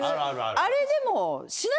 あれでも。